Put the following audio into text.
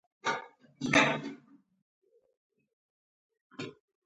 جوجو وویل پینځه چنده ورکوم.